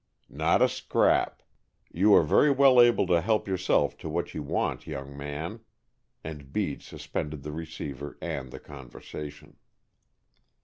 "Not a scrap. You are very well able to help yourself to what you want, young man." And Bede suspended the receiver and the conversation.